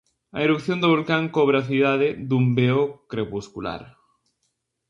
A erupción do volcán cobre a cidade, dun veo crepuscular.